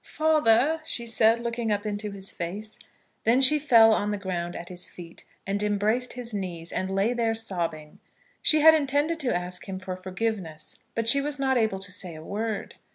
"Father," she said, looking up into his face. Then she fell on the ground at his feet, and embraced his knees, and lay there sobbing. She had intended to ask him for forgiveness, but she was not able to say a word.